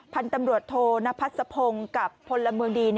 พันธุ์ตำรวจโทนพัศพงศ์กับพลเมืองดี